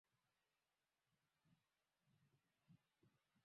Misri na Karthago magofu yake yako nchini Tunisia wakati